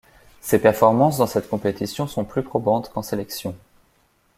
Ses performances dans cette compétition sont plus probantes qu'en sélection.